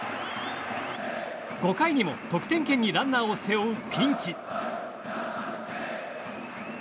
５回にも得点圏にランナーを背負うピンチ。